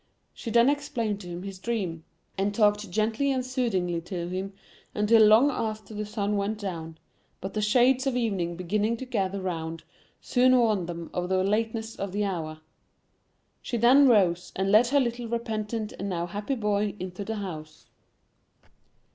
She then explained to him his dream, and talked gently and soothingly to him until long after the sun went down, but the shades of evening beginning to gather round, soon warned them of the lateness of the hour. She then rose, and led her little repentant and now happy boy into the house.